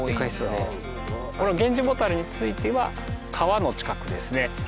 ゲンジボタルについては川の近くですね。